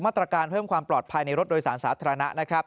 มาตรการเพิ่มความปลอดภัยในรถโดยสารสาธารณะนะครับ